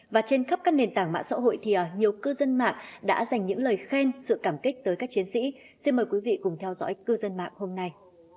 và trên khắp các nền tảng mạng xã hội thì nhiều cư dân mạng đã dành những lời khen sự cảm kích tới các chiến sĩ xin mời quý vị cùng theo dõi cư dân mạng hôm nay